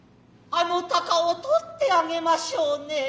あの鷹を取つて上げませうね。